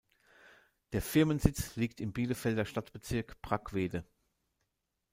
Der Firmensitz liegt im Bielefelder Stadtbezirk Brackwede.